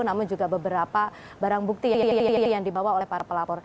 namun juga beberapa barang bukti yang dibawa oleh para pelapor